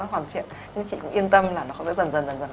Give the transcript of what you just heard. nó hoàn thiện nhưng chị cũng yên tâm là nó có thể dần dần dần dần